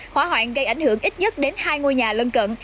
hỏa hoạn gây ảnh hưởng ít nhất đến hai ngôi nhà lân cận